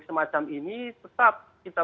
semacam ini tetap kita